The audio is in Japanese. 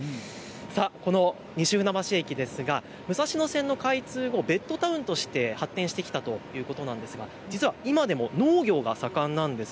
この西船橋駅ですが武蔵野線の開通後、ベッドタウンとして発展してきたということなんですが実は今でも農業が盛んなんです。